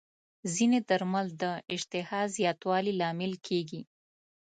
ځینې درمل د اشتها زیاتوالي لامل کېږي.